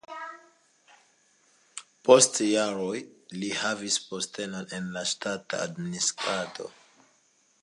Post jaroj li havis postenon en la ŝtata administrado.